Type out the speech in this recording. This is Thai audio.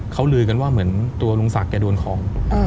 เขาลือกันว่าเหมือนตัวลุงศักดิ์แกโดนของ